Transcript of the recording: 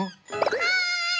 はい！